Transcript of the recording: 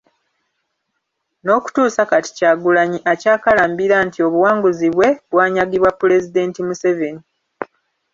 N’okutuusa kati Kyagulanyi akyakalambira nti obuwanguzi bwe bwanyagibwa Pulezidenti Museveni